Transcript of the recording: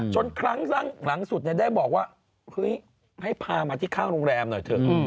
จนครั้งสุดได้บอกให้ผ่ามาที่ข้าวโรงแรมหน่อยเถอะ